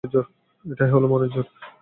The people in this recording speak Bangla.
এটাই হল মনের জোর।